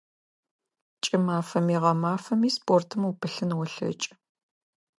КӀымафэми гъэмафэми спортым упылъын олъэкӀы.